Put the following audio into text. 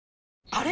あれ？